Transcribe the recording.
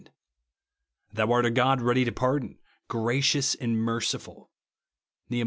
Thou art a God ready to pardon, gracious and merciful," (iSTeh.